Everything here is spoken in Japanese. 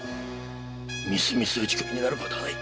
みすみす打首になることはない。